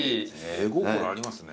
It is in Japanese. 絵心ありますね。